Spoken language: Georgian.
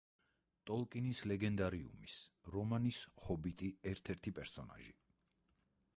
ტოლკინის ლეგენდარიუმის, რომანის „ჰობიტი“ ერთ-ერთი პერსონაჟი.